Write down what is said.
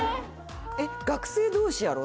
えっ学生同士やろ？